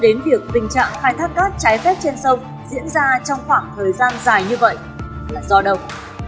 đến việc tình trạng khai thác cát trái phép trên sông diễn ra trong khoảng thời gian dài như vậy là do đâu